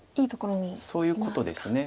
そういうことです。